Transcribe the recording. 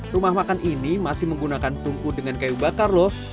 rumah makan ini masih menggunakan tungku dengan kayu bakar lho